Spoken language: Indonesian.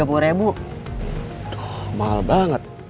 aduh mahal banget